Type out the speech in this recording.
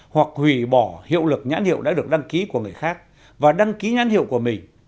hoặc hủy bỏ hiệu lực nhãn hiệu đã được đăng ký của người khác và đăng ký nhãn hiệu của mình